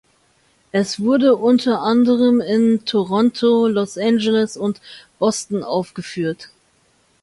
Es wurde unter anderem in Toronto, Los Angeles und Boston aufgeführt.